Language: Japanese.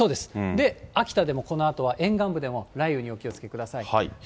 で、秋田でもこのあとは沿岸部でも雷雨にお気をつけください。